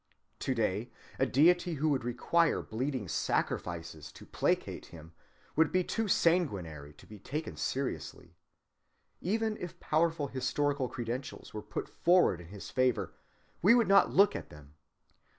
To‐day a deity who should require bleeding sacrifices to placate him would be too sanguinary to be taken seriously. Even if powerful historical credentials were put forward in his favor, we would not look at them.